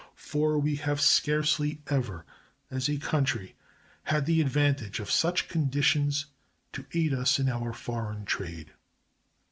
For we have scarcely ever, as a country, had the advantage of such conditions to aid us in our foreign trade.